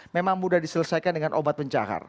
memang mudah diselesaikan dengan obat pencahar